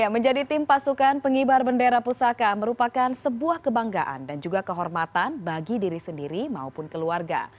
menjadi tim pasukan pengibar bendera pusaka merupakan sebuah kebanggaan dan juga kehormatan bagi diri sendiri maupun keluarga